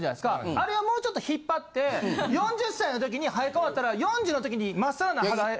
あれをもうちょっと引っ張って４０歳の時に生え変わったら４０の時にまっさらな歯で。